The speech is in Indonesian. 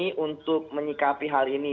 terlalu dini untuk menyikapi hal ini